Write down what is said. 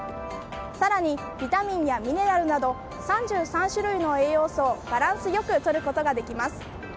更にビタミンやミネラルなど３３種類の栄養素をバランス良くとることができます。